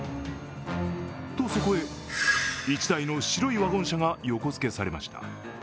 と、そこへ１台の白いワゴン車が横付けされました。